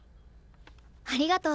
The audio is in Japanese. ありがとう。